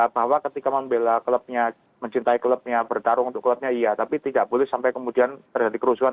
bahwa ketika membela klubnya mencintai klubnya bertarung untuk klubnya iya tapi tidak boleh sampai kemudian terjadi kerusuhan